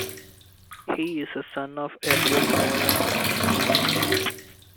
He is a son of Edward Gierek.